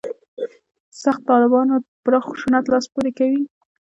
«سخت طالبانو» په پراخ خشونت لاس پورې کوي.